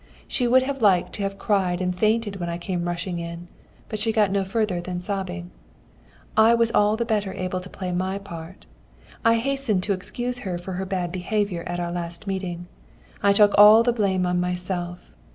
She would have liked to have cried and fainted when I came rushing in, but she got no further than sobbing. I was all the better able to play my part. I hastened to excuse her for her behaviour at our last meeting. I took all the blame on myself.